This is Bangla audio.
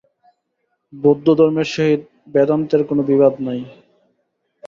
বৌদ্ধধর্মের সহিত বেদান্তের কোন বিবাদ নাই।